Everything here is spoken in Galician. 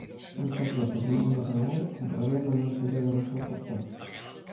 Moitas veces no mundo real, un problema non se debe a un só factor.